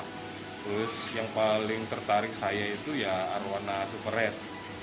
terus yang paling tertarik saya itu ya arowana super red